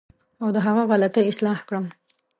او د هغه غلطۍ اصلاح کړم.